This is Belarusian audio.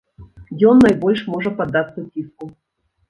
Ён найбольш можа паддацца ціску.